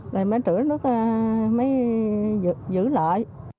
rồi mới trữ nước mới giữ lại